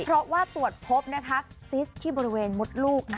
เพราะว่าตรวจพบซิสที่บริเวณมดลูก